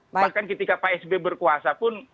bahkan ketika pak sby berkuasa pun